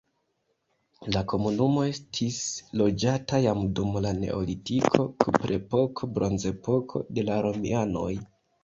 La komunumo estis loĝata jam dum la neolitiko, kuprepoko, bronzepoko, de la romianoj.